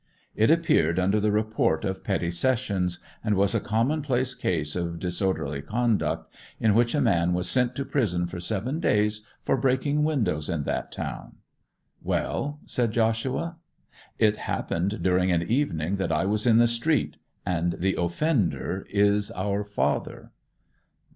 It appeared under the report of Petty Sessions, and was a commonplace case of disorderly conduct, in which a man was sent to prison for seven days for breaking windows in that town. 'Well?' said Joshua. 'It happened during an evening that I was in the street; and the offender is our father.